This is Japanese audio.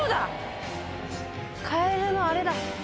カエルのあれだ。